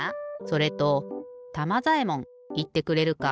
それとたまざえもんいってくれるか？